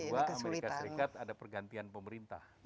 dan kedua amerika serikat ada pergantian pemerintah